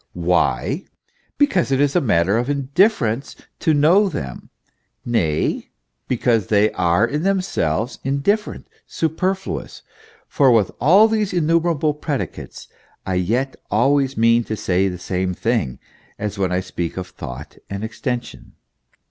Why? because itis a matter of indifference to know them; nay, becausethey are in themselves indifferent, superfluous : for with all these innumerable predi cates, I yet always mean to say the same thing as when I speak of thought and extension.